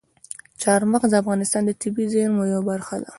چار مغز د افغانستان د طبیعي زیرمو یوه برخه ده.